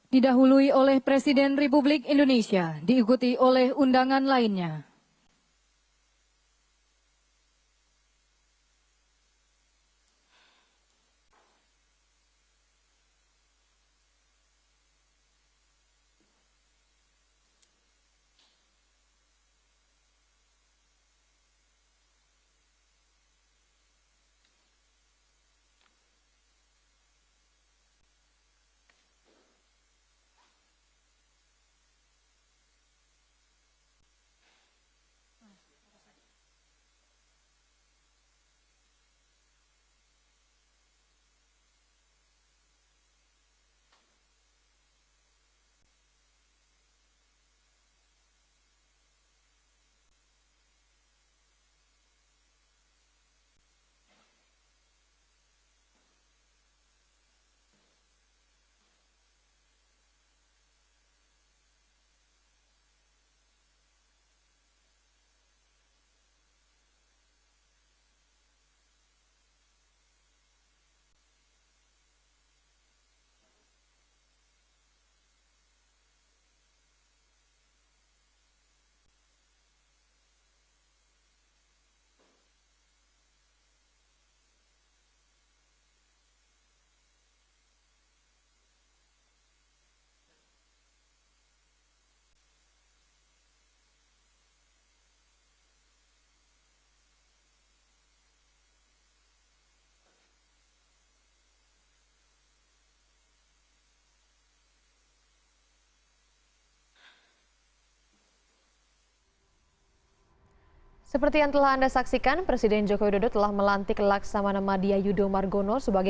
persiapan penandatanganan berita acara penandatanganan berita acara penandatanganan